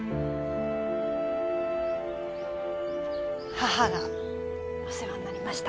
母がお世話になりました。